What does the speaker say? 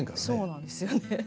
そうなんですよね。